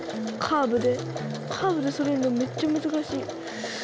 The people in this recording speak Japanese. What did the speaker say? カーブでそろえるのめっちゃ難しい。